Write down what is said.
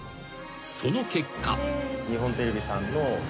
その結果］